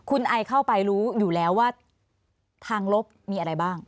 คุณไอเข้าไปรู้อยู่แล้วว่าทางลบมีอะไรบ้าง